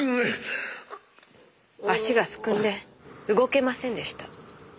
足がすくんで動けませんでした。